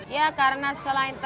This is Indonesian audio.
ya karena selain itu